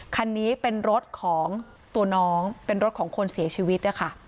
คันนี้เป็นรถของตัวน้องเป็นรถของคนเสียชีวิตนะคะ